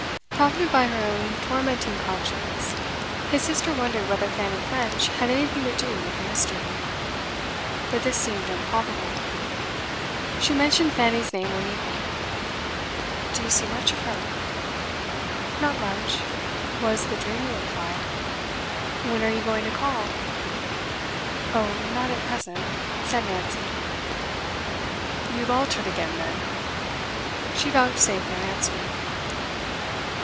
Prompted by her own tormenting conscience, his sister wondered whether Fanny French had anything to do with the mystery; but this seemed improbable. She mentioned Fanny's name one evening. 'Do you see much of her?' 'Not much,' was the dreamy reply. 'When are you going to call?' 'Oh, not at present,' said Nancy. 'You've altered again, then?' She vouchsafed no answer.